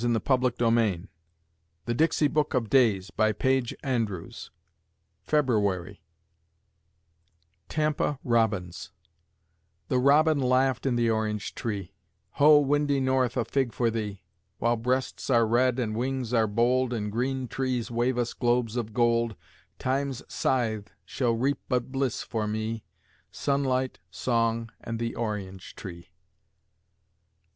Look away, away, away down South in Dixie. MARIE LOUISE EVE (Version of "Dixie") February TAMPA ROBINS The robin laughed in the orange tree: "Ho, windy North, a fig for thee: While breasts are red and wings are bold And green trees wave us globes of gold, Time's scythe shall reap but bliss for me Sunlight, song, and the orange tree....